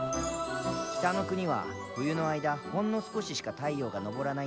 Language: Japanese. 北の国は冬の間ほんの少ししか太陽が昇らないんだ。